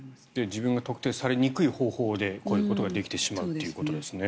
自分が特定されにくい方法でこういうことができてしまうということですね。